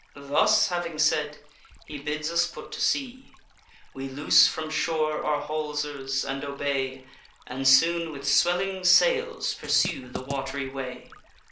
"Thus having said, he bids us put to sea; We loose from shore our haulsers, and obey, And soon with swelling sails pursue the wat'ry way.